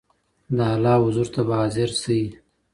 د الله حضور ته به حاضر سئ.